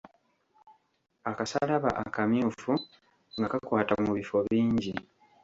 Akasalaba akamyufu nga kakwata mu bifo bingi.